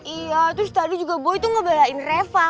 iya terus tadi juga boy tuh ngebayain reva